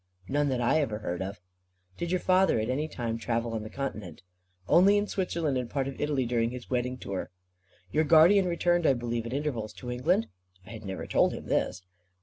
"None, that I ever heard of." "Did your father, at any time, travel on the continent?" "Only in Switzerland, and part of Italy, during his wedding tour." "Your guardian returned, I believe, at intervals to England?" I had never told him this.